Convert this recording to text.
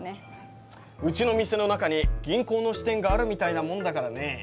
うちの店の中に銀行の支店があるみたいなもんだからね。